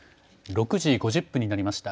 ６時５０分になりました。